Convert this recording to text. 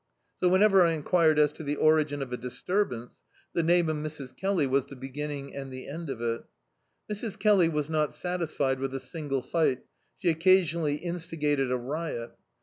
So whenever I enquired as to the ori^n of a dis turbance, the name of Mrs. Kelly was the be^nning and the end of it Mrs. Kelly was not satisfied with a single fi^t; she occasi(mally instigated a riot.